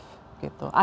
ada ada luar biasa emang